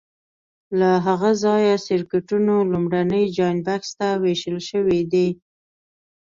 له هغه ځایه سرکټونو لومړني جاینټ بکس ته وېشل شوي دي.